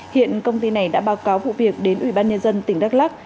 hiện công ty này đã báo cáo vụ việc đến ủy ban nhân dân tỉnh đắk lắc